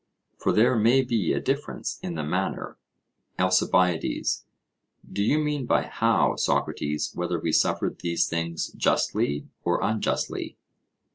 For there may be a difference in the manner. ALCIBIADES: Do you mean by 'how,' Socrates, whether we suffered these things justly or unjustly?